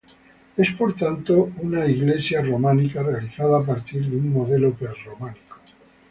Es por tanto una iglesia románica realizada a partir de un modelo prerrománico.